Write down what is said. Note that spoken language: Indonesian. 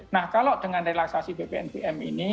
nah kalau dengan relaksasi bpnbm ini